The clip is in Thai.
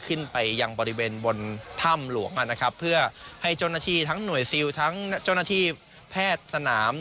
ขึ้นไปยังบริเวณบนถ้ำหลวงนะครับเพื่อให้เจ้าหน้าที่ทั้งหน่วยซิลทั้งเจ้าหน้าที่แพทย์สนาม